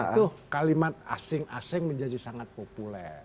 itu kalimat asing asing menjadi sangat populer